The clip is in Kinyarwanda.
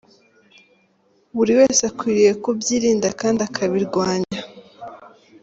Buri wese akwiriye kubyirinda kandi akabirwanya ."